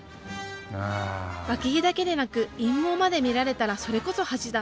ワキ毛だけでなく陰毛まで見られたらそれこそ恥だ。